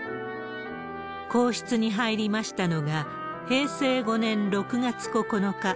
皇室に入りましたのが平成５年６月９日。